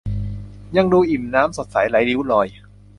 ยังดูอิ่มน้ำ สดใสไร้ริ้วรอย